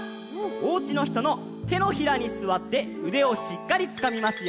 おうちのひとのてのひらにすわってうでをしっかりつかみますよ。